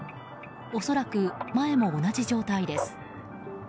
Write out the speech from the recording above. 恐らく、前も同じ状態です。